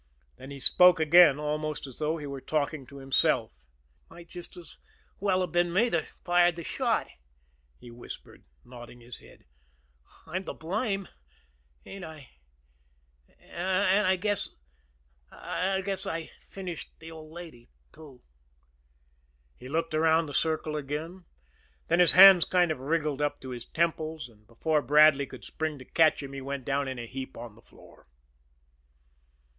Then he spoke again, almost as though he were talking to himself. "Might just as well have been me that fired the shot," he whispered, nodding his head. "I'm to blame ain't I? An' I guess I guess I've finished the old lady, too." He looked around the circle again, then his hands kind of wriggled up to his temples and before Bradley could spring to catch him, he went down in a heap on the floor.